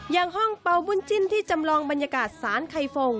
อย่างห้องเป่าบุญจิ้นที่จำลองบรรยากาศสารไข่ฟง